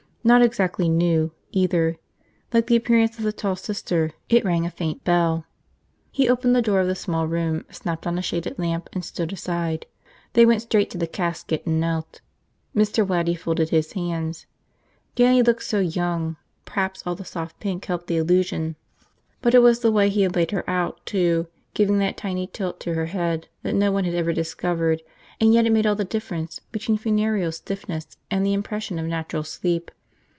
Not exactly new, either. Like the appearance of the tall Sister, it rang a faint bell. He opened the door of the small room, snapped on a shaded lamp, and stood aside. They went straight to the casket and knelt. Mr. Waddy folded his hands. Dannie looked so young. Perhaps all the soft pink helped the illusion. But it was the way he had laid her out, too, giving that tiny tilt to the head that no one had ever discovered and yet it made all the difference between funereal stiffness and the impression of natural sleep.